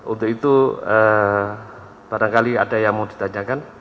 untuk itu barangkali ada yang mau ditanyakan